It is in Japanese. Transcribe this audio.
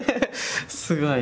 すごい。